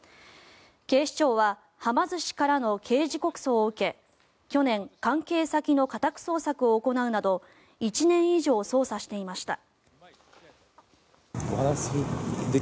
警視庁ははま寿司からの刑事告訴を受け去年、関係先の家宅捜索を行うなど１年以上捜査していました。